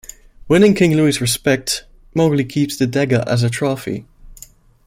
Winning King Louie's respect, Mowgli keeps the dagger as a trophy.